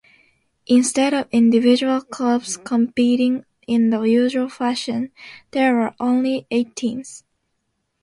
Instead of individual clubs competing in the usual fashion, there were only eight teams.